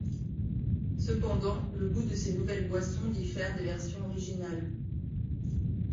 Cependant, le goût de ces nouvelles boissons diffère des versions originales.